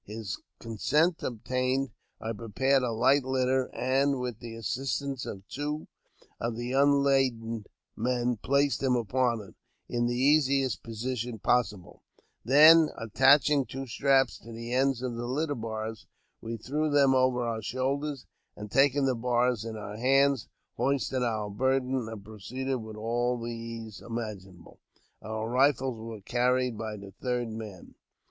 His consent obtained, I prepared a light litter, and, with the assist 64 AUTOBIOGBAPHY OF ance of two of the unladen men, placed him upon it, in the easiest position possible ; then, attaching two straps to the ends of the litter bars, we threw them over our shoulders, and, taking the bars in om* hands, hoisted our burden, and proceeded with all the ease imaginable. Our rifles were carried by the third man.